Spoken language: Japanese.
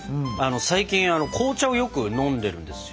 最近紅茶をよく飲んでるんですよ。